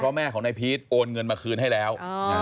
แม่ของนายพีชโอนเงินมาคืนให้แล้ว